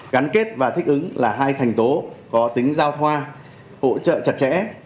gắn kết và thích ứng là hai thành tố có tính giao thoa hỗ trợ chặt chẽ